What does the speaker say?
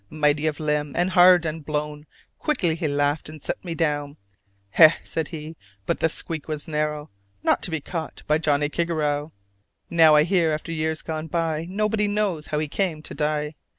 Mighty of limb, and hard, and blown; Quickly he laughed and set me down. "Heh!" said, he, "but the squeak was narrow, Not to be caught by Johnnie Kigarrow!" Now, I hear, after years gone by, Nobody knows how he came to die.